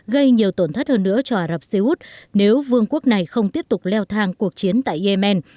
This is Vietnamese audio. gây nhiều tổn thất hơn nữa cho ả rập xê út nếu vương quốc này không tiếp tục leo thang cuộc chiến tại yemen